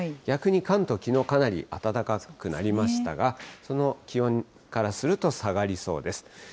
逆に関東、きのうかなり暖かくなりましたが、その気温からすると下がりそうです。